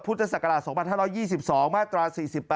พุทธศักราช๒๕๒๒มาตรา๔๘